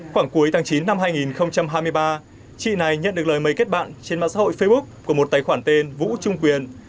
khoảng cuối tháng chín năm hai nghìn hai mươi ba chị này nhận được lời mời kết bạn trên mạng xã hội facebook của một tài khoản tên vũ trung quyền